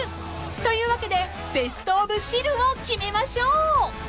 ［というわけでベストオブ汁を決めましょう］